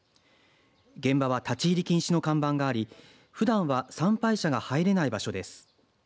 現場は立ち入り禁止の看板がありふだんは参拝者が入れない場所です。